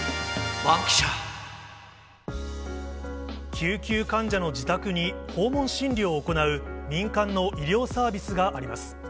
救急患者の自宅に、訪問診療を行う、民間の医療サービスがあります。